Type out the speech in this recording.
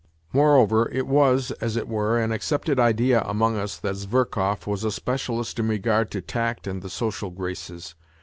Moreover, it was, as it were, an accepted idea among us that Zverkov was a specialist in regard to tact and the social graces.